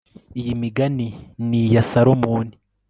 iyi migani ni iya salomoni